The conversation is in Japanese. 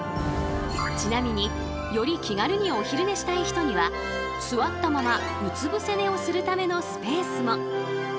ちなみにより気軽にお昼寝したい人には座ったままうつぶせ寝をするためのスペースも。